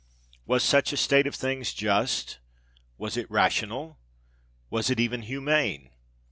Was such a state of things just? was it rational? was it even humane?